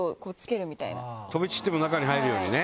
飛び散っても中に入るようにね。